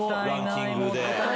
ランキングで。